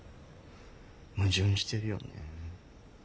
矛盾してるよね。